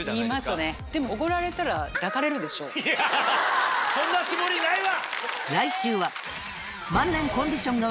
いやそんなつもりないわ！